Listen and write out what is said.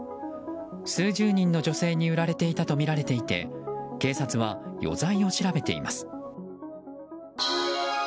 数十人の女性に売られていたとみられていて警察は余罪を調べています。